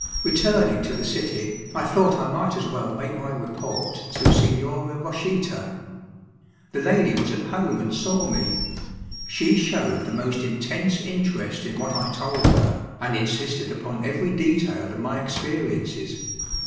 Returning to the city, I thought I might as well make my report to Signora Rochita. The lady was at home and saw me. She showed the most intense interest in what I told her, and insisted upon every detail of my experiences.